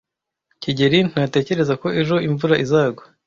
kigeli ntatekereza ko ejo imvura izagwa.